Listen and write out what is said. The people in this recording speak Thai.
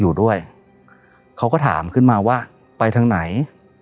อยู่ด้วยเขาก็ถามขึ้นมาว่าไปทางไหน